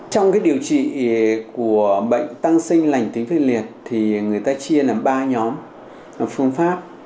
trong cái điều trị của bệnh tăng sinh lành tính phê liệt thì người ta chia làm ba nhóm phương pháp